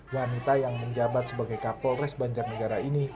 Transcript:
wanita yang menjabat sebagai kapolres banjarnegara ini